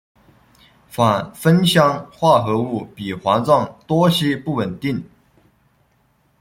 反芳香化合物比环状多烯不稳定。